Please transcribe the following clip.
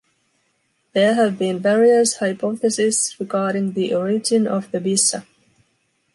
There have been various hypotheses regarding the origin of the Bissa.